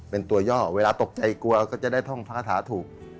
เป็นตัวย่อเวลาตกใจกลัวก็จะได้ท่องพระคาถาถูก